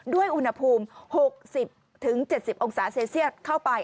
ด้วยอุณหภูมิ๖๐๗๐องศาเซลเซียตเข้าไป